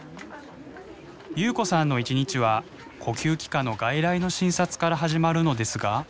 夕子さんの一日は呼吸器科の外来の診察から始まるのですが。